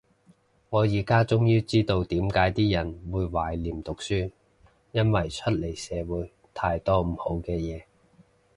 我依家終於知道點解啲人會懷念讀書，因為出嚟社會太多唔好嘅嘢